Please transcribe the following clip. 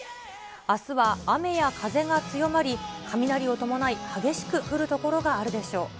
あすは雨や風が強まり、雷を伴い、激しく降る所があるでしょう。